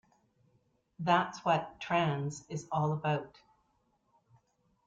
That's what "Trans" is all about.